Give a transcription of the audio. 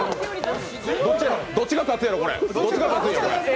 どっちが勝つやろ。